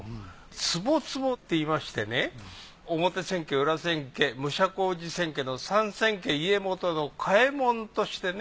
つぼつぼっていいましてね表千家裏千家武者小路千家の三千家家元の替紋としてね